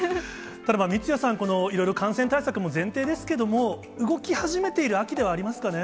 三屋さん、いろいろ感染対策も前提ですけれども、動き始めている秋ではありますかね。